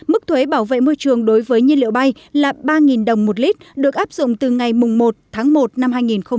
mức thuế bảo vệ môi trường đối với nhiên liệu bay là ba đồng một lít được áp dụng từ ngày một tháng một năm hai nghìn hai mươi